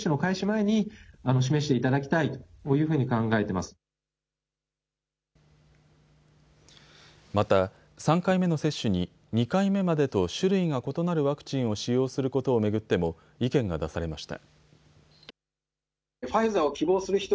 また３回目の接種に２回目までと種類が異なるワクチンを使用することを巡っても意見が出されました。